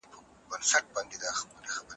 مرګ په حقیقت کي هیڅ درد نه لري.